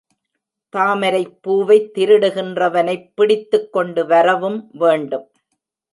தாமரைப்பூவைத் திருடுகின்றவனைப் பிடித்துக்கொண்டு வரவும் வேண்டும்.